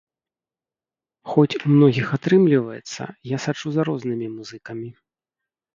Хоць у многіх атрымліваецца, я сачу за рознымі музыкамі.